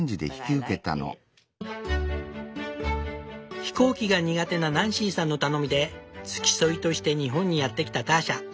飛行機が苦手なナンシーさんの頼みで付き添いとして日本にやって来たターシャ。